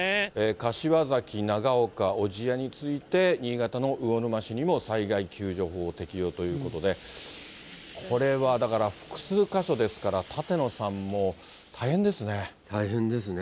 柏崎、長岡、小千谷に続いて、新潟の魚沼市にも災害救助法を適用ということで、これはだから、複数箇所ですから、舘野さん、もう大変ですね。